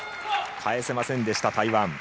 返せませんでした、台湾。